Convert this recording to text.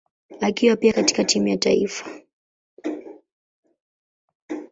akiwa pia katika timu ya taifa.